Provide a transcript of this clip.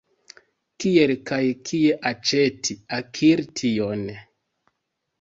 Kiel kaj kie aĉeti, akiri tion?